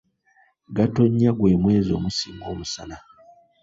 Gatonnya gwe mwezi omusinga omusana.